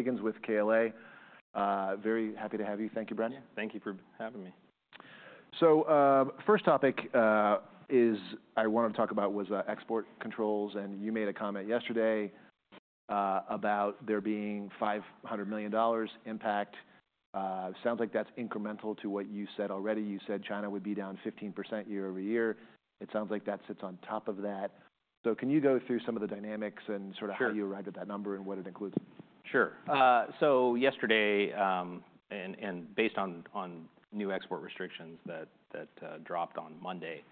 Bren Higgins with KLA. Very happy to have you. Thank you, Bren. Thank you for having me. So, the first topic I want to talk about is export controls, and you made a comment yesterday about there being a $500 million impact. Sounds like that's incremental to what you said already. You said China would be down 15% year over year. It sounds like that sits on top of that. So can you go through some of the dynamics and sort of how you arrived at that number and what it includes? Sure. So yesterday, and based on new export restrictions that dropped on Monday,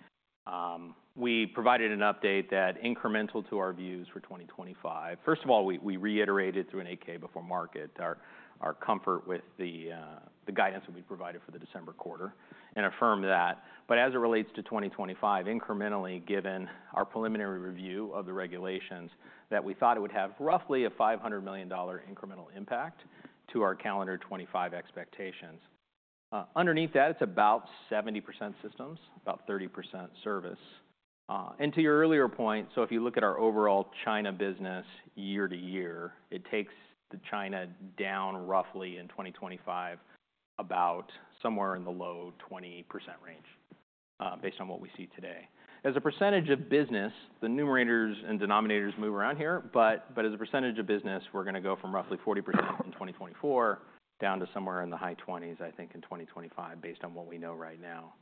we provided an update that was incremental to our views for 2025. First of all, we reiterated through an 8-K before market our comfort with the guidance that we provided for the December quarter and affirmed that. But as it relates to 2025, incrementally, given our preliminary review of the regulations, we thought it would have roughly a $500 million incremental impact to our calendar 2025 expectations. Underneath that, it's about 70% systems, about 30% service. And to your earlier point, so if you look at our overall China business year to year, it takes the China down roughly in 2025 about somewhere in the low 20% range based on what we see today. As a percentage of business, the numerators and denominators move around here, but as a percentage of business, we're going to go from roughly 40% in 2024 down to somewhere in the high 20s, I think, in 2025 based on what we know right now.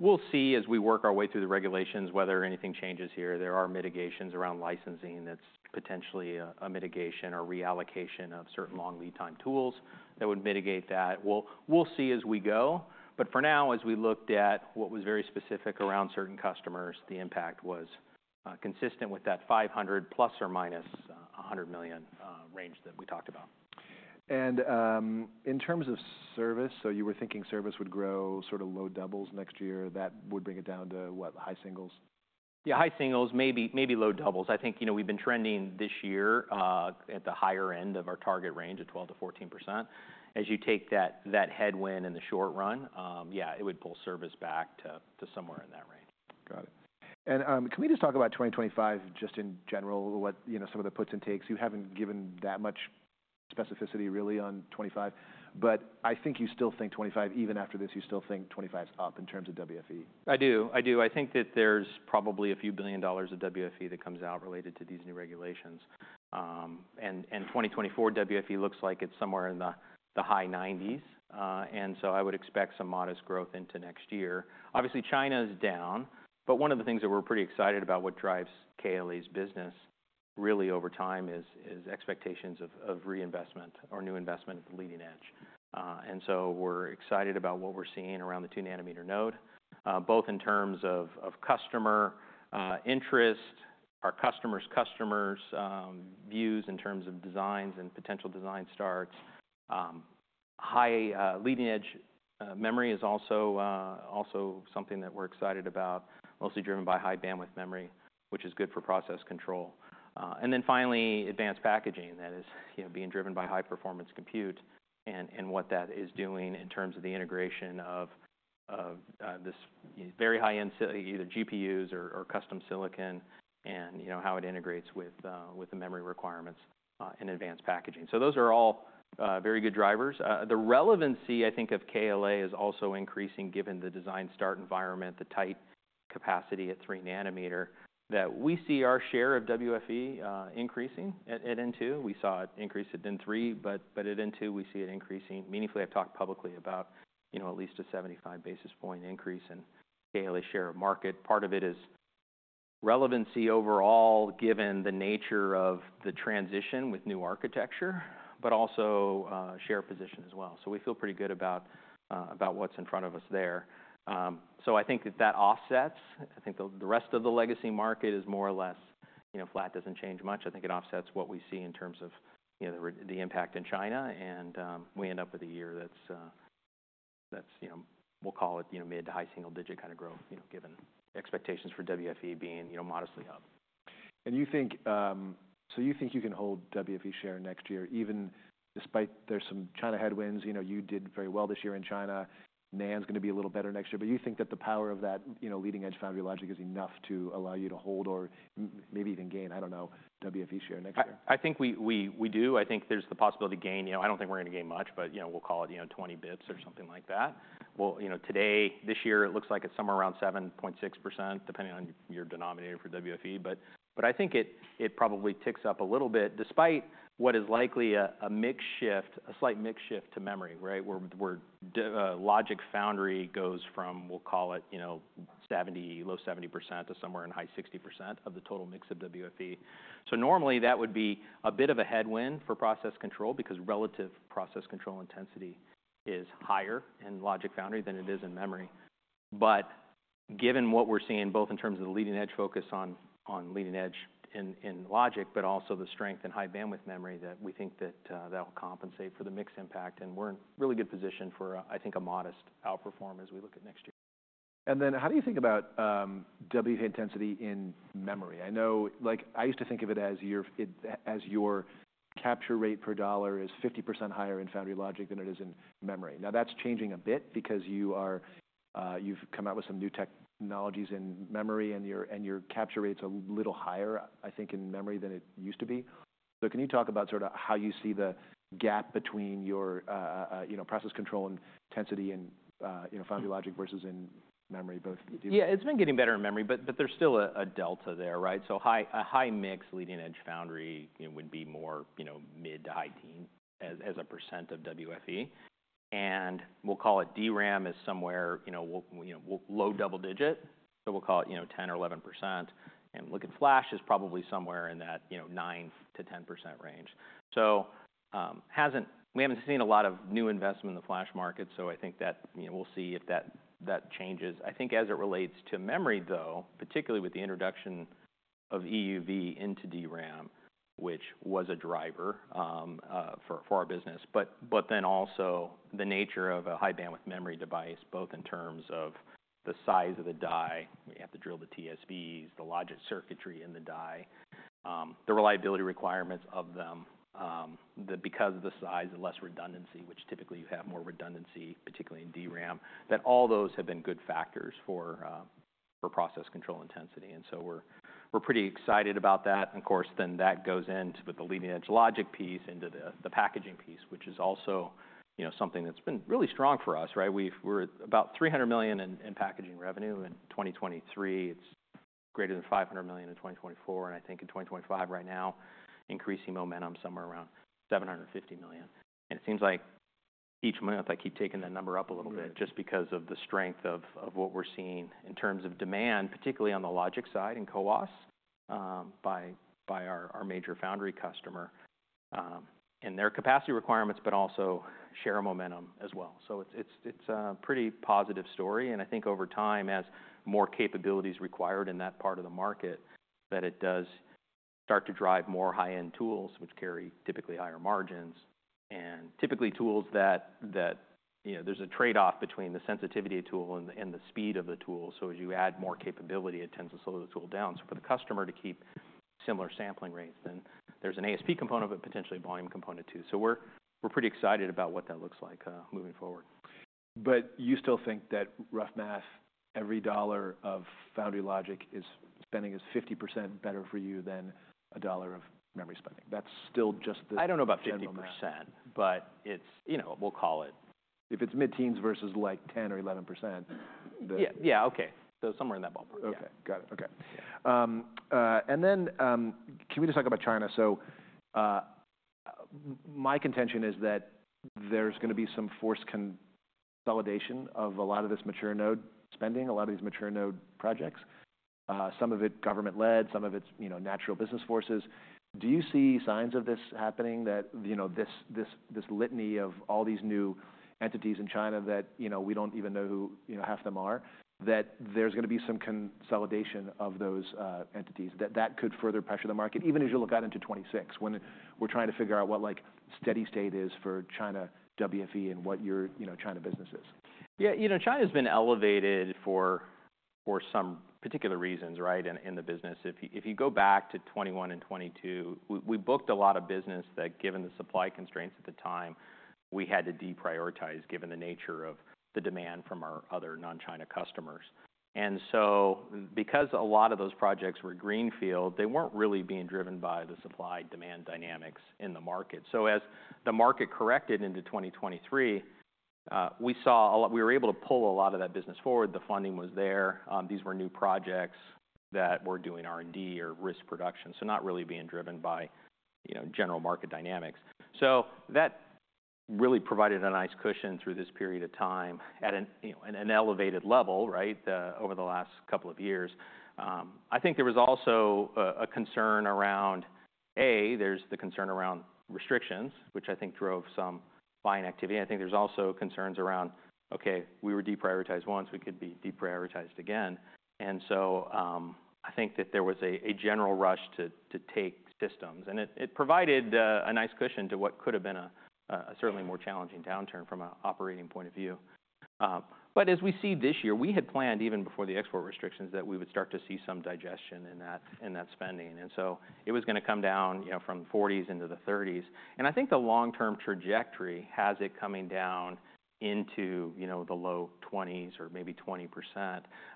We'll see as we work our way through the regulations whether anything changes here. There are mitigations around licensing that's potentially a mitigation or reallocation of certain long lead time tools that would mitigate that. We'll see as we go. But for now, as we looked at what was very specific around certain customers, the impact was consistent with that $500 million plus or minus $100 million range that we talked about. And in terms of service, so you were thinking service would grow sort of low doubles next year. That would bring it down to what, high singles? Yeah, high singles, maybe low doubles. I think we've been trending this year at the higher end of our target range at 12%-14%. As you take that headwind in the short run, yeah, it would pull service back to somewhere in that range. Got it. And can we just talk about 2025 just in general, what some of the puts and takes? You haven't given that much specificity really on '25, but I think you still think '25 is up in terms of WFE? I do. I do. I think that there's probably a few billion dollars of WFE that comes out related to these new regulations. And 2024 WFE looks like it's somewhere in the high 90s. And so I would expect some modest growth into next year. Obviously, China is down, but one of the things that we're pretty excited about, what drives KLA's business really over time is expectations of reinvestment or new investment at the leading edge. And so we're excited about what we're seeing around the two-nanometer node, both in terms of customer interest, our customers' customers' views in terms of designs and potential design starts. High leading edge memory is also something that we're excited about, mostly driven by high bandwidth memory, which is good for process control. And then finally, advanced packaging that is being driven by high performance compute and what that is doing in terms of the integration of this very high-end either GPUs or custom silicon and how it integrates with the memory requirements and advanced packaging. So those are all very good drivers. The relevancy, I think, of KLA is also increasing given the design start environment, the tight capacity at three nanometer that we see our share of WFE increasing at N2. We saw it increase at N3, but at N2 we see it increasing. Meaningfully, I've talked publicly about at least a 75 basis point increase in KLA's share of market. Part of it is relevancy overall given the nature of the transition with new architecture, but also share position as well. So we feel pretty good about what's in front of us there. So I think that offsets. I think the rest of the legacy market is more or less flat, doesn't change much. I think it offsets what we see in terms of the impact in China, and we end up with a year that's, we'll call it mid to high single digit kind of growth given expectations for WFE being modestly up. And so you think you can hold WFE share next year even despite there's some China headwinds. You did very well this year in China. NAND is going to be a little better next year. But you think that the power of that leading edge foundry logic is enough to allow you to hold or maybe even gain, I don't know, WFE share next year? I think we do. I think there's the possibility to gain. I don't think we're going to gain much, but we'll call it 20 basis points or something like that. Today, this year, it looks like it's somewhere around 7.6% depending on your denominator for WFE. But I think it probably ticks up a little bit despite what is likely a slight mix shift to memory, right, where logic foundry goes from, we'll call it low 70% to somewhere in high 60% of the total mix of WFE. So normally that would be a bit of a headwind for process control because relative process control intensity is higher in logic foundry than it is in memory. But given what we're seeing both in terms of the leading edge focus on leading edge in logic, but also the strength and high bandwidth memory that we think that that will compensate for the mixed impact, and we're in really good position for, I think, a modest outperform as we look at next year. And then how do you think about WFE intensity in memory? I used to think of it as your capture rate per dollar is 50% higher in foundry logic than it is in memory. Now that's changing a bit because you've come out with some new technologies in memory and your capture rate's a little higher, I think, in memory than it used to be. So can you talk about sort of how you see the gap between your process control intensity and foundry logic versus in memory both? Yeah, it's been getting better in memory, but there's still a delta there, right? So a high mix leading edge foundry would be more mid- to high-teen as a % of WFE. And we'll call it, DRAM is somewhere low double-digit. So we'll call it 10 or 11%. And look, flash is probably somewhere in that 9%-10% range. So we haven't seen a lot of new investment in the flash market. So I think that we'll see if that changes. I think as it relates to memory though, particularly with the introduction of EUV into DRAM, which was a driver for our business, but then also the nature of a high bandwidth memory device, both in terms of the size of the die, we have to drill the TSVs, the logic circuitry in the die, the reliability requirements of them, that because of the size, the less redundancy, which typically you have more redundancy, particularly in DRAM, that all those have been good factors for process control intensity, and so we're pretty excited about that, and of course, then that goes into the leading edge logic piece into the packaging piece, which is also something that's been really strong for us, right? We're about $300 million in packaging revenue in 2023. It's greater than $500 million in 2024. I think in 2025 right now, increasing momentum somewhere around $750 million. It seems like each month I keep taking that number up a little bit just because of the strength of what we're seeing in terms of demand, particularly on the logic side in CoWoS by our major foundry customer and their capacity requirements, but also sheer momentum as well. It's a pretty positive story. I think over time, as more capabilities required in that part of the market, that it does start to drive more high-end tools, which carry typically higher margins. Typically tools that there's a trade-off between the sensitivity of tool and the speed of the tool. As you add more capability, it tends to slow the tool down. For the customer to keep similar sampling rates, then there's an ASP component of it, potentially a volume component too. We're pretty excited about what that looks like moving forward. But you still think that rough math, every $1 of foundry logic spending is 50% better for you than $1 of memory spending. That's still just the. I don't know about 50%, but we'll call it. If it's mid-teens versus like 10% or 11%. Yeah, okay. So somewhere in that ballpark. Okay, got it. Okay. And then can we just talk about China? So my contention is that there's going to be some forced consolidation of a lot of this mature node spending, a lot of these mature node projects, some of it government-led, some of it's natural business forces. Do you see signs of this happening, that this litany of all these new entities in China that we don't even know who half of them are, that there's going to be some consolidation of those entities that could further pressure the market, even as you look out into 2026 when we're trying to figure out what steady state is for China WFE and what your China business is? Yeah, you know China has been elevated for some particular reasons, right, in the business. If you go back to 2021 and 2022, we booked a lot of business that, given the supply constraints at the time, we had to deprioritize given the nature of the demand from our other non-China customers. And so because a lot of those projects were greenfield, they weren't really being driven by the supply-demand dynamics in the market. So as the market corrected into 2023, we were able to pull a lot of that business forward. The funding was there. These were new projects that were doing R&D or risk production, so not really being driven by general market dynamics. So that really provided a nice cushion through this period of time at an elevated level, right, over the last couple of years. I think there was also a concern around restrictions, which I think drove some buying activity. I think there's also concerns around, okay, we were deprioritized once, we could be deprioritized again. And so I think that there was a general rush to take systems. And it provided a nice cushion to what could have been a certainly more challenging downturn from an operating point of view. But as we see this year, we had planned even before the export restrictions that we would start to see some digestion in that spending. And so it was going to come down from the 40s into the 30s. And I think the long-term trajectory has it coming down into the low 20s or maybe 20%.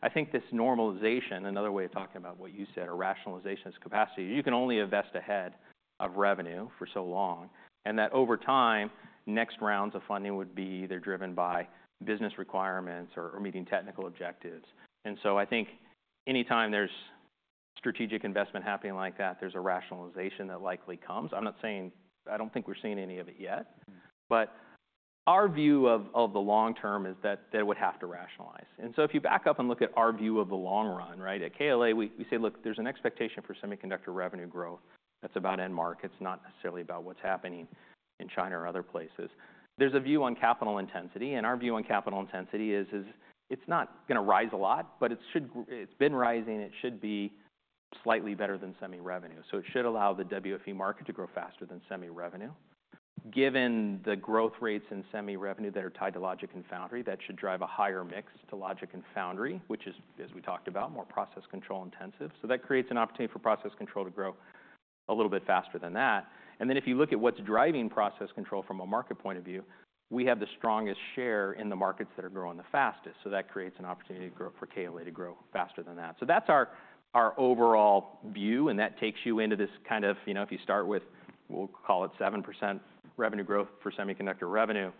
I think this normalization, another way of talking about what you said, or rationalization of capacity. You can only invest ahead of revenue for so long. And that over time, next rounds of funding would be either driven by business requirements or meeting technical objectives. And so I think anytime there's strategic investment happening like that, there's a rationalization that likely comes. I'm not saying. I don't think we're seeing any of it yet. But our view of the long term is that it would have to rationalize. And so if you back up and look at our view of the long run, right. At KLA, we say, look, there's an expectation for semiconductor revenue growth. That's about end markets, not necessarily about what's happening in China or other places. There's a view on capital intensity. Our view on capital intensity is it's not going to rise a lot, but it's been rising. It should be slightly better than semi-revenue. So it should allow the WFE market to grow faster than semi-revenue. Given the growth rates in semi-revenue that are tied to logic and foundry, that should drive a higher mix to logic and foundry, which is, as we talked about, more process control intensive. So that creates an opportunity for process control to grow a little bit faster than that. And then if you look at what's driving process control from a market point of view, we have the strongest share in the markets that are growing the fastest. So that creates an opportunity for KLA to grow faster than that. So that's our overall view. And that takes you into this kind of, if you start with, we'll call it 7% revenue growth for semiconductor revenue,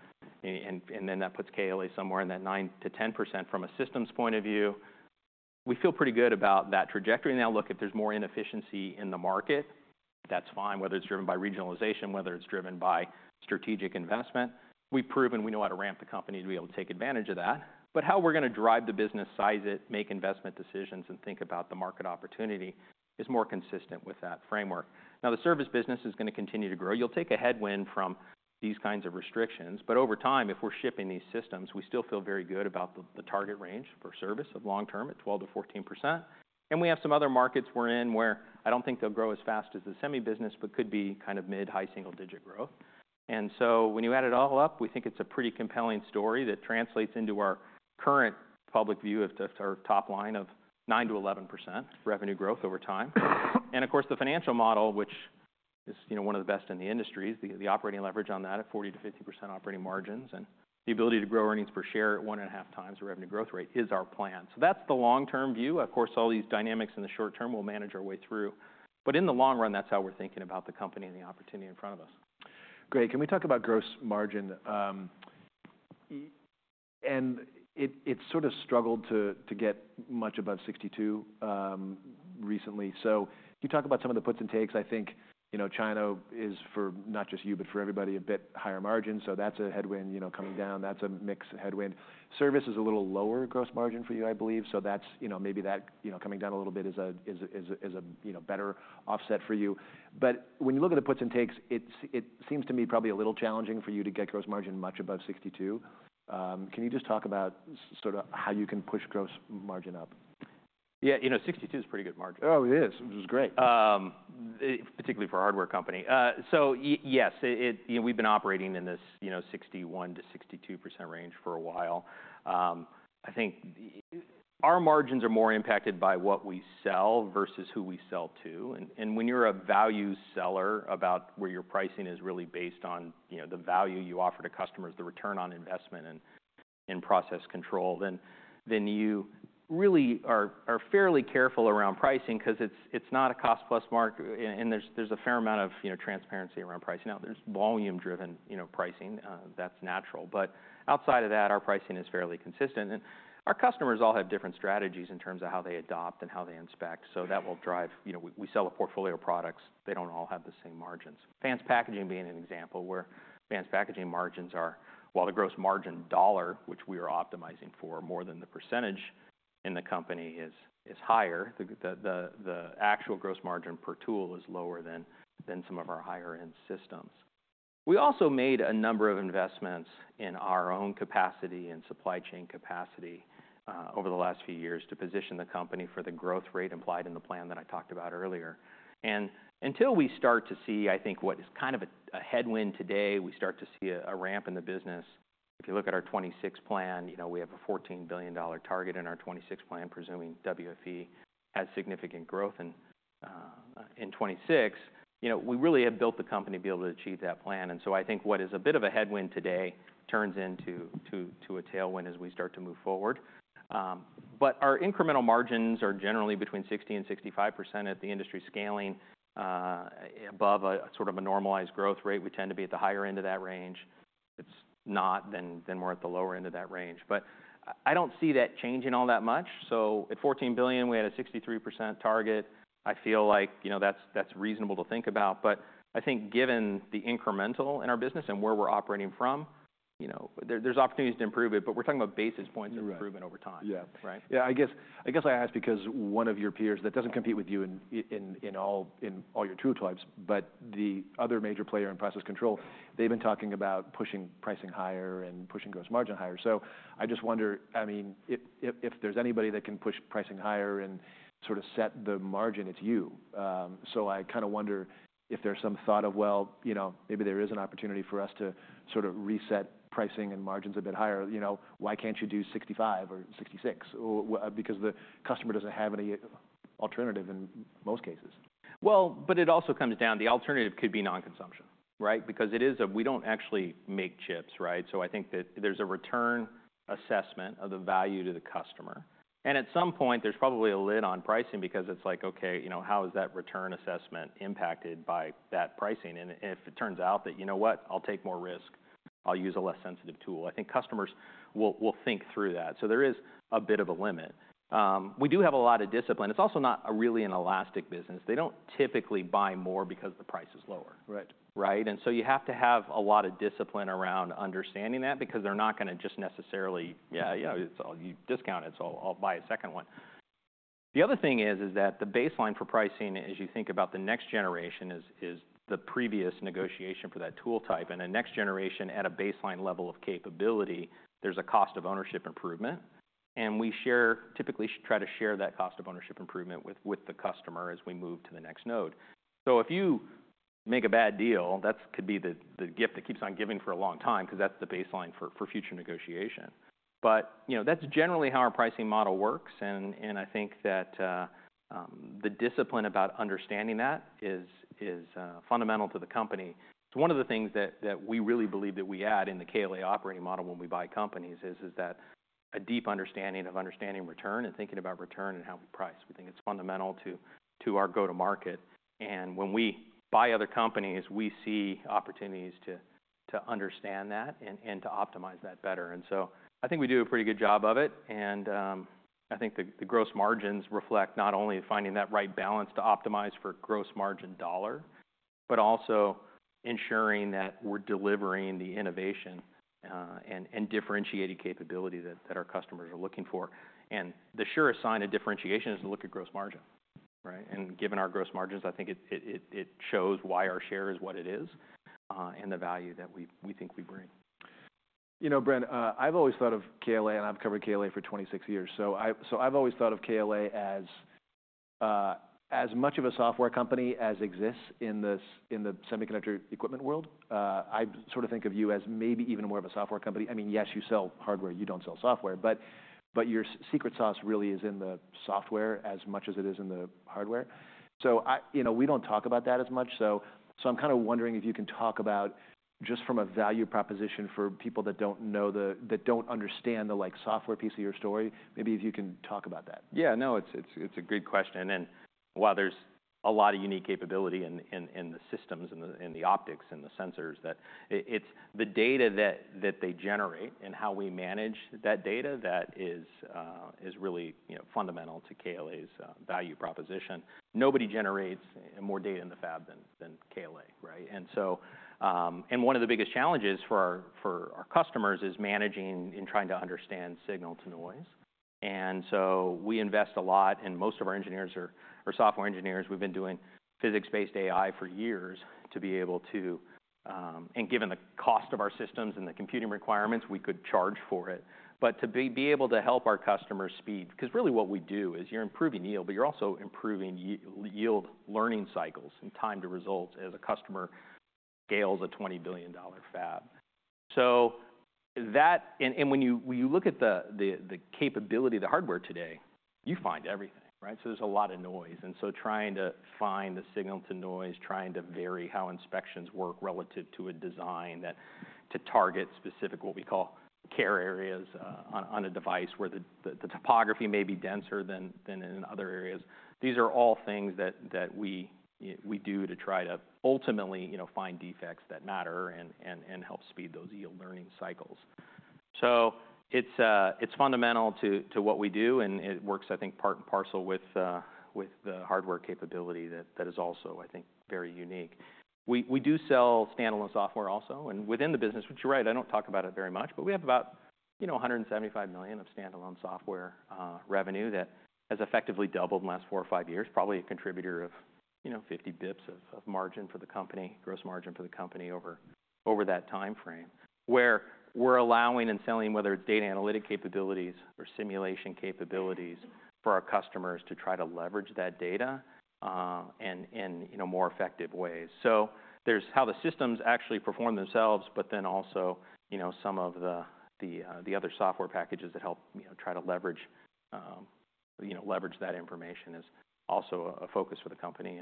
and then that puts KLA somewhere in that 9%-10% from a systems point of view. We feel pretty good about that trajectory. Now look, if there's more inefficiency in the market, that's fine, whether it's driven by regionalization, whether it's driven by strategic investment. We've proven we know how to ramp the company to be able to take advantage of that. But how we're going to drive the business, size it, make investment decisions and think about the market opportunity is more consistent with that framework. Now the service business is going to continue to grow. You'll take a headwind from these kinds of restrictions. But over time, if we're shipping these systems, we still feel very good about the target range for service of long term at 12%-14%. And we have some other markets we're in where I don't think they'll grow as fast as the semi business, but could be kind of mid-high single digit growth. And so when you add it all up, we think it's a pretty compelling story that translates into our current public view of our top line of 9%-11% revenue growth over time. And of course, the financial model, which is one of the best in the industry, is the operating leverage on that at 40%-50% operating margins and the ability to grow earnings per share at one and a half times the revenue growth rate is our plan. So that's the long-term view. Of course, all these dynamics in the short term we'll manage our way through. But in the long run, that's how we're thinking about the company and the opportunity in front of us. Great. Can we talk about gross margin? And it's sort of struggled to get much above 62% recently. So you talk about some of the puts and takes. I think China is for not just you, but for everybody a bit higher margin. So that's a headwind coming down. That's a mixed headwind. Service is a little lower gross margin for you, I believe. So maybe that coming down a little bit is a better offset for you. But when you look at the puts and takes, it seems to me probably a little challenging for you to get gross margin much above 62%. Can you just talk about sort of how you can push gross margin up? Yeah, you know 62 is a pretty good margin. Oh, it is. It was great. Particularly for a hardware company. So yes, we've been operating in this 61%-62% range for a while. I think our margins are more impacted by what we sell versus who we sell to. And when you're a value seller, about where your pricing is really based on the value you offer to customers, the return on investment and process control, then you really are fairly careful around pricing because it's not a cost-plus mark. And there's a fair amount of transparency around pricing. Now there's volume-driven pricing. That's natural. But outside of that, our pricing is fairly consistent. And our customers all have different strategies in terms of how they adopt and how they inspect. So that will drive. We sell a portfolio of products. They don't all have the same margins. advanced packaging being an example, where advanced packaging margins are, while the gross margin dollar, which we are optimizing for more than the percentage in the company is higher, the actual gross margin per tool is lower than some of our higher-end systems. We also made a number of investments in our own capacity and supply chain capacity over the last few years to position the company for the growth rate implied in the plan that I talked about earlier. Until we start to see, I think what is kind of a headwind today, we start to see a ramp in the business. If you look at our 2026 plan, we have a $14 billion target in our 2026 plan, presuming WFE has significant growth in 2026. We really have built the company to be able to achieve that plan. And so I think what is a bit of a headwind today turns into a tailwind as we start to move forward. But our incremental margins are generally between 60% and 65% at the industry scaling. Above a sort of a normalized growth rate, we tend to be at the higher end of that range. If it's not, then we're at the lower end of that range. But I don't see that changing all that much. So at $14 billion, we had a 63% target. I feel like that's reasonable to think about. But I think given the incremental in our business and where we're operating from, there's opportunities to improve it. But we're talking about basis points of improvement over time, right? Yeah. Yeah, I guess I ask because one of your peers that doesn't compete with you in all your tool types, but the other major player in process control, they've been talking about pushing pricing higher and pushing gross margin higher. So I just wonder, I mean, if there's anybody that can push pricing higher and sort of set the margin, it's you. So I kind of wonder if there's some thought of, well, maybe there is an opportunity for us to sort of reset pricing and margins a bit higher. Why can't you do 65% or 66%? Because the customer doesn't have any alternative in most cases. But it also comes down, the alternative could be non-consumption, right? Because it is a, we don't actually make chips, right? So I think that there's a return assessment of the value to the customer. And at some point, there's probably a lid on pricing because it's like, okay, how is that return assessment impacted by that pricing? And if it turns out that, you know what, I'll take more risk, I'll use a less sensitive tool, I think customers will think through that. So there is a bit of a limit. We do have a lot of discipline. It's also not really an elastic business. They don't typically buy more because the price is lower, right? And so you have to have a lot of discipline around understanding that because they're not going to just necessarily, yeah, you know discount it, so I'll buy a second one. The other thing is that the baseline for pricing, as you think about the next generation, is the previous negotiation for that tool type, and a next generation at a baseline level of capability, there's a cost of ownership improvement. And we typically try to share that cost of ownership improvement with the customer as we move to the next node, so if you make a bad deal, that could be the gift that keeps on giving for a long time because that's the baseline for future negotiation, but that's generally how our pricing model works. And I think that the discipline about understanding that is fundamental to the company. It's one of the things that we really believe that we add in the KLA operating model when we buy companies is that a deep understanding of return and thinking about return and how we price. We think it's fundamental to our go-to-market. And when we buy other companies, we see opportunities to understand that and to optimize that better. And so I think we do a pretty good job of it. And I think the gross margins reflect not only finding that right balance to optimize for gross margin dollar, but also ensuring that we're delivering the innovation and differentiated capability that our customers are looking for. And the sure sign of differentiation is to look at gross margin, right? And given our gross margins, I think it shows why our share is what it is and the value that we think we bring. You know, Bren, I've always thought of KLA, and I've covered KLA for 26 years. So I've always thought of KLA as much of a software company as exists in the semiconductor equipment world. I sort of think of you as maybe even more of a software company. I mean, yes, you sell hardware, you don't sell software, but your secret sauce really is in the software as much as it is in the hardware. So we don't talk about that as much. So I'm kind of wondering if you can talk about just from a value proposition for people that don't understand the software piece of your story, maybe if you can talk about that. Yeah, no, it's a great question. And while there's a lot of unique capability in the systems and the optics and the sensors, it's the data that they generate and how we manage that data that is really fundamental to KLA's value proposition. Nobody generates more data in the fab than KLA, right? And one of the biggest challenges for our customers is managing and trying to understand signal to noise. And so we invest a lot, and most of our engineers are software engineers. We've been doing physics-based AI for years to be able to, and given the cost of our systems and the computing requirements, we could charge for it. But to be able to help our customers speed, because really what we do is you're improving yield, but you're also improving yield learning cycles and time to results as a customer scales a $20 billion fab. So that and when you look at the capability of the hardware today, you find everything, right? So there's a lot of noise, and so trying to find the signal to noise, trying to vary how inspections work relative to a design that to target specific what we call care areas on a device where the topography may be denser than in other areas. These are all things that we do to try to ultimately find defects that matter and help speed those yield learning cycles, so it's fundamental to what we do, and it works, I think, part and parcel with the hardware capability that is also, I think, very unique. We do sell standalone software also. Within the business, which you're right, I don't talk about it very much, but we have about $175 million of standalone software revenue that has effectively doubled in the last four or five years, probably a contributor of 50 basis points of margin for the company, gross margin for the company over that time frame, where we're allowing and selling, whether it's data analytic capabilities or simulation capabilities for our customers to try to leverage that data in more effective ways. There's how the systems actually perform themselves, but then also some of the other software packages that help try to leverage that information is also a focus for the company.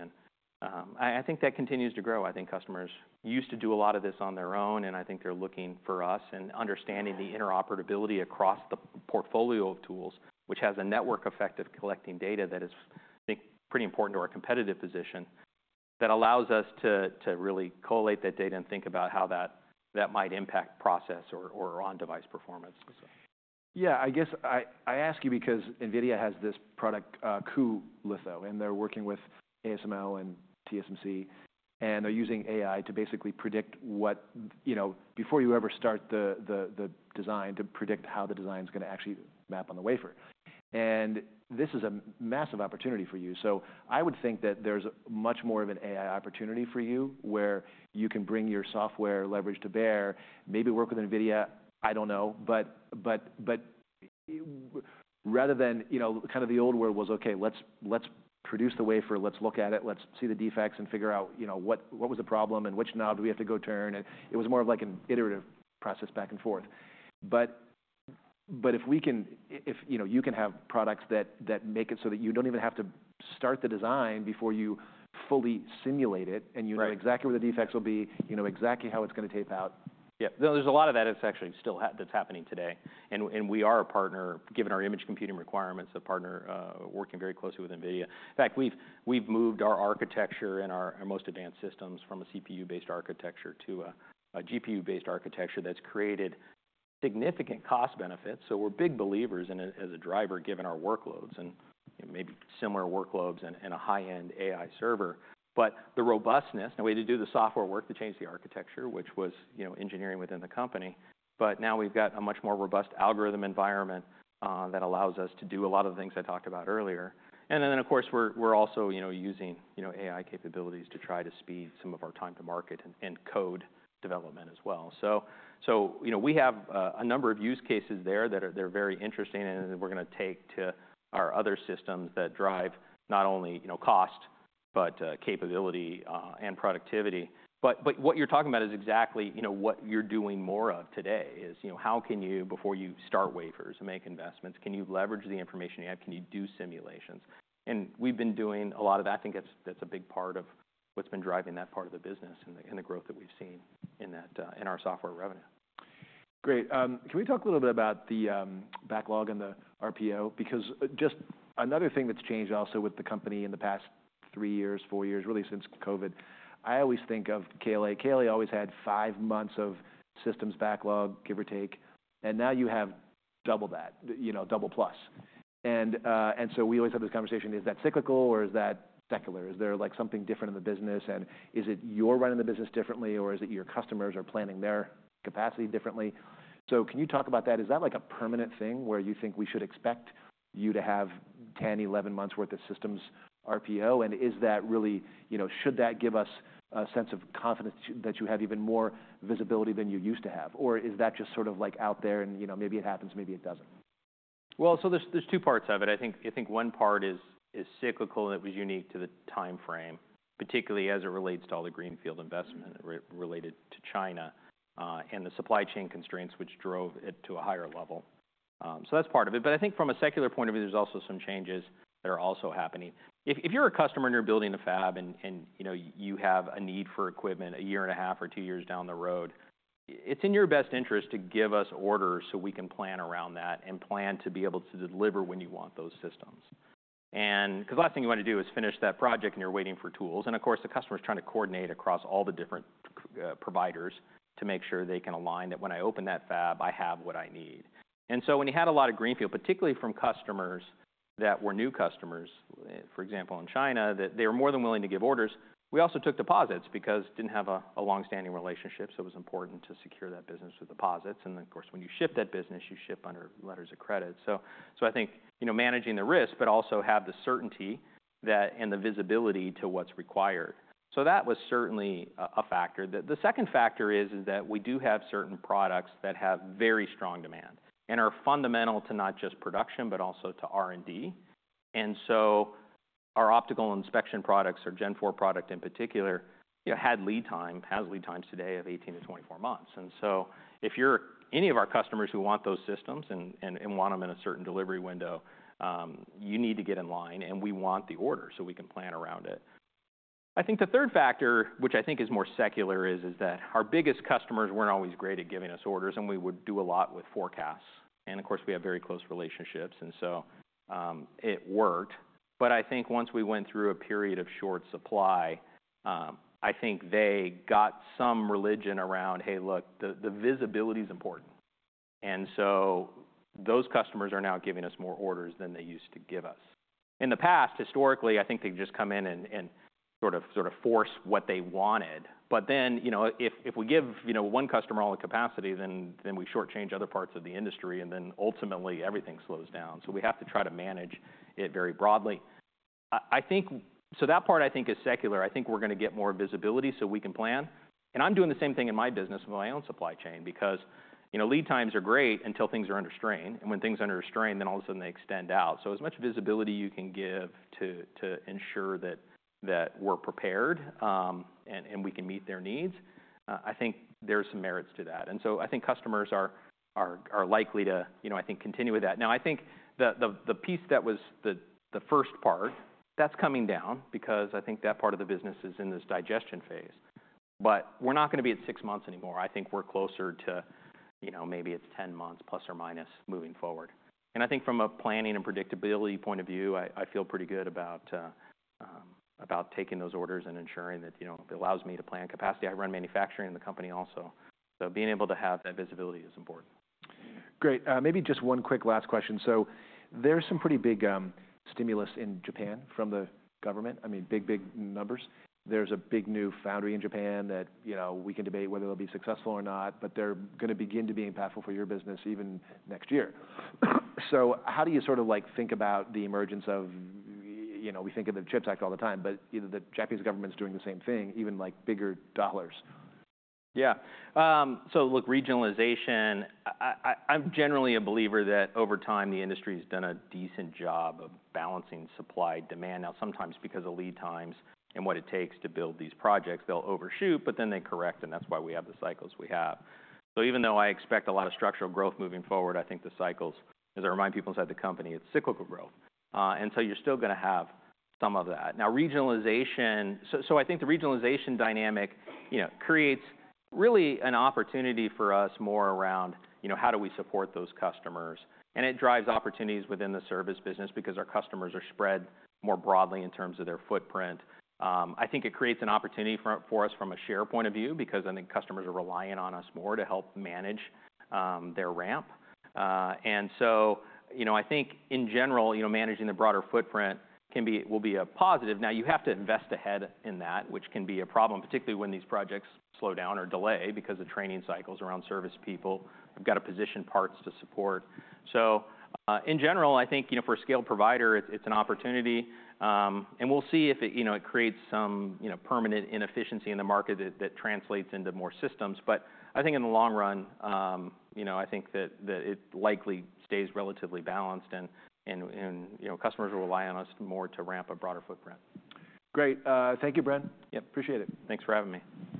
I think that continues to grow. I think customers used to do a lot of this on their own, and I think they're looking for us and understanding the interoperability across the portfolio of tools, which has a network effect of collecting data that is, I think, pretty important to our competitive position that allows us to really collate that data and think about how that might impact process or on-device performance. Yeah, I guess I ask you because NVIDIA has this product, cuLitho, and they're working with ASML and TSMC, and they're using AI to basically predict what, before you ever start the design, to predict how the design is going to actually map on the wafer. And this is a massive opportunity for you. So I would think that there's much more of an AI opportunity for you where you can bring your software leverage to bear, maybe work with NVIDIA, I don't know. But rather than kind of the old world was, okay, let's produce the wafer, let's look at it, let's see the defects and figure out what was the problem and which knob do we have to go turn. And it was more of like an iterative process back and forth. But if we can, if you can have products that make it so that you don't even have to start the design before you fully simulate it and you know exactly where the defects will be, you know exactly how it's going to tape out. Yeah, there's a lot of that that's actually still happening today. And we are a partner, given our image computing requirements, a partner working very closely with NVIDIA. In fact, we've moved our architecture and our most advanced systems from a CPU-based architecture to a GPU-based architecture that's created significant cost benefits. So we're big believers in it as a driver, given our workloads and maybe similar workloads and a high-end AI server. But the robustness, the way to do the software work, to change the architecture, which was engineering within the company. But now we've got a much more robust algorithm environment that allows us to do a lot of the things I talked about earlier. And then, of course, we're also using AI capabilities to try to speed some of our time to market and code development as well. So we have a number of use cases there that are very interesting and that we're going to take to our other systems that drive not only cost, but capability and productivity. But what you're talking about is exactly what you're doing more of today is how can you, before you start wafers and make investments, can you leverage the information you have? Can you do simulations? And we've been doing a lot of that. I think that's a big part of what's been driving that part of the business and the growth that we've seen in our software revenue. Great. Can we talk a little bit about the backlog and the RPO? Because just another thing that's changed also with the company in the past three years, four years, really since COVID, I always think of KLA. KLA always had five months of systems backlog, give or take. And now you have double that, double plus. And so we always have this conversation, is that cyclical or is that secular? Is there like something different in the business? And is it you're running the business differently or is it your customers are planning their capacity differently? So can you talk about that? Is that like a permanent thing where you think we should expect you to have 10, 11 months' worth of systems RPO? And is that really, should that give us a sense of confidence that you have even more visibility than you used to have? Or is that just sort of like out there and maybe it happens, maybe it doesn't? There's two parts of it. I think one part is cyclical and it was unique to the time frame, particularly as it relates to all the greenfield investment related to China and the supply chain constraints which drove it to a higher level. That's part of it. I think from a secular point of view, there's also some changes that are also happening. If you're a customer and you're building a fab and you have a need for equipment a year and a half or two years down the road, it's in your best interest to give us orders so we can plan around that and plan to be able to deliver when you want those systems. Because the last thing you want to do is finish that project and you're waiting for tools. And of course, the customer is trying to coordinate across all the different providers to make sure they can align that when I open that fab, I have what I need. And so when you had a lot of greenfield, particularly from customers that were new customers, for example, in China, that they were more than willing to give orders, we also took deposits because we didn't have a long-standing relationship. So it was important to secure that business with deposits. And of course, when you ship that business, you ship under letters of credit. So I think managing the risk, but also have the certainty and the visibility to what's required. So that was certainly a factor. The second factor is that we do have certain products that have very strong demand and are fundamental to not just production, but also to R&D. Our optical inspection products or Gen 4 product in particular had lead time, has lead times today of 18-24 months. So if you're any of our customers who want those systems and want them in a certain delivery window, you need to get in line and we want the order so we can plan around it. I think the third factor, which I think is more secular, is that our biggest customers weren't always great at giving us orders and we would do a lot with forecasts. Of course, we have very close relationships. So it worked. But I think once we went through a period of short supply, I think they got some religion around, hey, look, the visibility is important. So those customers are now giving us more orders than they used to give us. In the past, historically, I think they just come in and sort of force what they wanted, but then if we give one customer all the capacity, then we shortchange other parts of the industry and then ultimately everything slows down, so we have to try to manage it very broadly. I think, so that part I think is secular. I think we're going to get more visibility so we can plan, and I'm doing the same thing in my business with my own supply chain because lead times are great until things are under strain, and when things are under strain, then all of a sudden they extend out, so as much visibility you can give to ensure that we're prepared and we can meet their needs, I think there's some merits to that, and so I think customers are likely to, I think, continue with that. Now, I think the piece that was the first part, that's coming down because I think that part of the business is in this digestion phase. But we're not going to be at six months anymore. I think we're closer to maybe it's 10 months plus or minus moving forward. And I think from a planning and predictability point of view, I feel pretty good about taking those orders and ensuring that it allows me to plan capacity. I run manufacturing in the company also. So being able to have that visibility is important. Great. Maybe just one quick last question. So there's some pretty big stimulus in Japan from the government. I mean, big, big numbers. There's a big new foundry in Japan that we can debate whether they'll be successful or not, but they're going to begin to be impactful for your business even next year. So how do you sort of think about the emergence of, we think of the CHIPS Act all the time, but the Japanese government's doing the same thing, even like bigger dollars? Yeah. So look, regionalization. I'm generally a believer that over time the industry has done a decent job of balancing supply and demand. Now, sometimes because of lead times and what it takes to build these projects, they'll overshoot, but then they correct and that's why we have the cycles we have. So even though I expect a lot of structural growth moving forward, I think the cycles, as I remind people inside the company, it's cyclical growth. And so you're still going to have some of that. Now, regionalization, so I think the regionalization dynamic creates really an opportunity for us more around how do we support those customers. And it drives opportunities within the service business because our customers are spread more broadly in terms of their footprint. I think it creates an opportunity for us from a share point of view because I think customers are relying on us more to help manage their ramp, and so I think in general, managing the broader footprint will be a positive. Now, you have to invest ahead in that, which can be a problem, particularly when these projects slow down or delay because of training cycles around service people. You've got to position parts to support, so in general, I think for a scaled provider, it's an opportunity, and we'll see if it creates some permanent inefficiency in the market that translates into more systems, but I think in the long run, I think that it likely stays relatively balanced and customers will rely on us more to ramp a broader footprint. Great. Thank you, Bren. Yep, appreciate it. Thanks for having me.